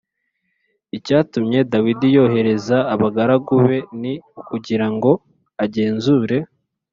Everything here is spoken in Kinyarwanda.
Icyatumye dawidi yohereza abagaragu be ni ukugira ngo agenzure